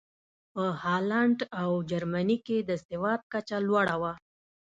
په هالنډ او جرمني کې د سواد کچه لوړه وه.